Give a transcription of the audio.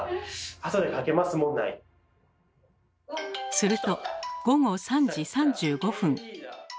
すると午後３時３５分。